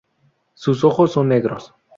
Sus ojos son negros.